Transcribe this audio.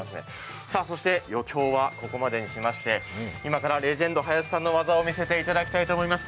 そして余興はここまでにしまして、今からレジェンド・林さんの技を見せていただきたいと思います。